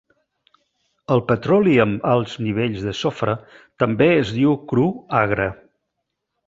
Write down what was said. El petroli amb alts nivells de sofre també es diu cru agre.